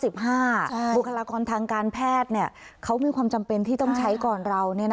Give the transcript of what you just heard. บุคลากรทางการแพทย์เขามีความจำเป็นที่ต้องใช้ก่อนเรา